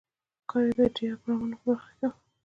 کار یې د ډیاګرامونو په برخه کې و.